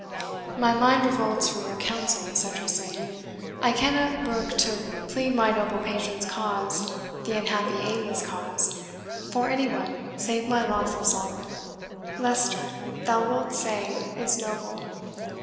"My mind revolts from your counsel," said Tressilian. "I cannot brook to plead my noble patron's cause the unhappy Amy's cause before any one save my lawful Sovereign. Leicester, thou wilt say, is noble.